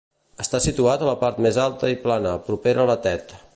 Està situat a la part més alta i plana, propera a la Tet.